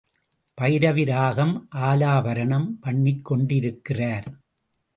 பைரவி ராகம் ஆலாபரணம் பண்ணிக்கொண்டிருக்கிறார்.